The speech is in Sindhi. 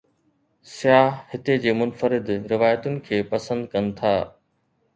سياح هتي جي منفرد روايتن کي پسند ڪن ٿا.